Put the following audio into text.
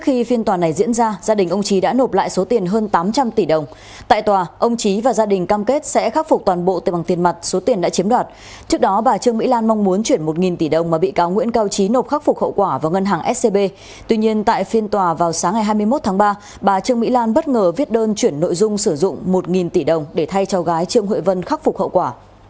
hiện tại phiên tòa vào sáng ngày hai mươi một tháng ba bà trương mỹ lan bất ngờ viết đơn chuyển nội dung sử dụng một tỷ đồng để thay cháu gái trương huệ vân khắc phục hậu quả